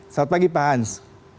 selamat pagi pak hans